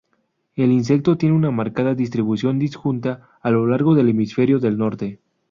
El insecto tiene una marcada distribución disjunta a lo largo del hemisferio del norte.